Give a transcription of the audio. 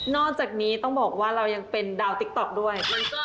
จากนี้ต้องบอกว่าเรายังเป็นดาวติ๊กต๊อกด้วย